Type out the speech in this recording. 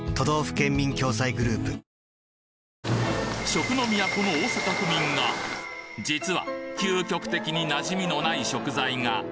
食の都の大阪府民が実は究極的に馴染みのない食材が！